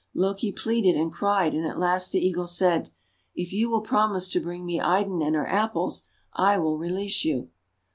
Loki pleaded and cried, and at last the Eagle said :— :<If you will promise to bring me Idun and her Apples, I will release you."